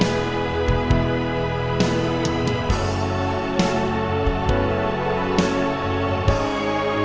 aku akan trem ngeretik akan ada